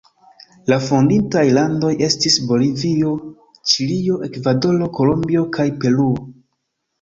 La fondintaj landoj estis Bolivio, Ĉilio, Ekvadoro, Kolombio kaj Peruo.